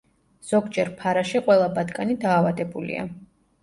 ზოგჯერ ფარაში ყველა ბატკანი დაავადებულია.